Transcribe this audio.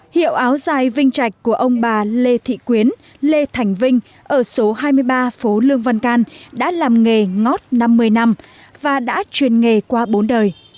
hiệu áo dài vinh trạch của ông bà lê thị quyến lê thành vinh ở số hai mươi ba phố lương văn can đã làm nghề ngót năm mươi năm và đã truyền nghề qua bốn đời